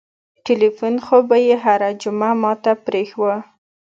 ټېلفون خو به يې هره جمعه ما ته پرېښووه.